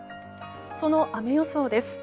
その雨予想です。